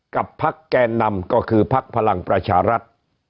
กับพักแกนนำก็คือพักพลังประชารัฐ